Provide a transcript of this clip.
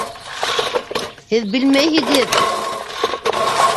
Һеҙ белмәйһегеҙ!